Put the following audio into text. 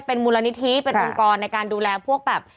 เป็นมูลนิธิเป็นองค์กรในการดูแลพวกแบบ